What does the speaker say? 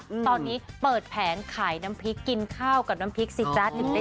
ตอนนี้เปิดแผงขายน้ำพริกกินข้าวกับน้ำพริกสิจ๊ะถึงได้